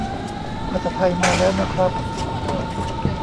ภาษาไทยมาแล้วนะครับ